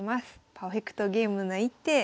パーフェクトゲームな一手。